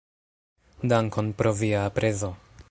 Dankon pro via aprezo.